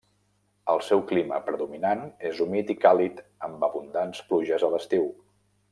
El seu clima predominant és humit i càlid amb abundants pluges a l'estiu.